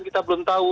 kita belum tahu